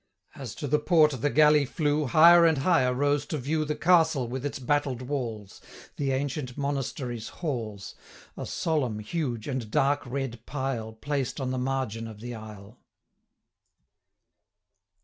As to the port the galley flew, Higher and higher rose to view The Castle with its battled walls, The ancient Monastery's halls, 165 A solemn, huge, and dark red pile, Placed on the margin of the isle.